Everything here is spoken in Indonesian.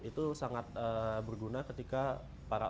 itu sangat berguna ketika para